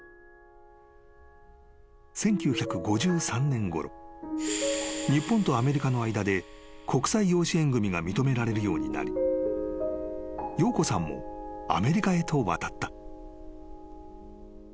［１９５３年ごろ日本とアメリカの間で国際養子縁組が認められるようになり洋子さんもアメリカへと渡った］